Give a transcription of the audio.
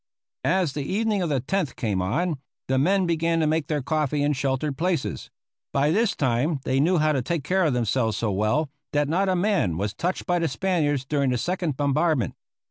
As the evening of the 10th came on, the men began to make their coffee in sheltered places. By this time they knew how to take care of themselves so well that not a man was touched by the Spaniards during the second bombardment.